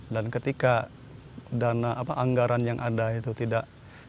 dan ketika dana apa anggaran yang ada itu tidak